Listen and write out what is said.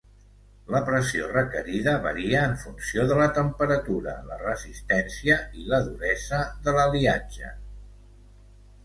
La pressió requerida varia en funció de la temperatura, la resistència i la duresa de l'aliatge.